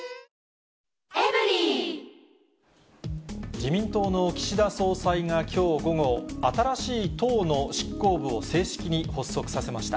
自民党の岸田総裁がきょう午後、新しい党の執行部を正式に発足させました。